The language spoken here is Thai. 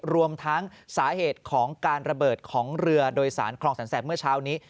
รวมทั้งสาเหตุของการระเบิดของเรือโดยสารคลองแสนแสบเมื่อเช้านี้